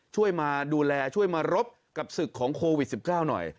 ช่วยมาดูแลช่วยมารบกับศึกของโควิด๑๙หน่อย